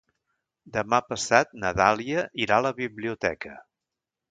Demà passat na Dàlia irà a la biblioteca.